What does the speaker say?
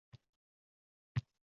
Issiqlik ta’minoti: muammo va yechim